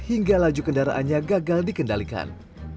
hingga laju kendaraannya gagal dikendalikan